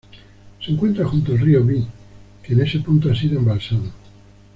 Se encuentra junto al río Vie, que en ese punto ha sido embalsado.